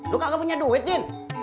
lu kagak punya duit ndin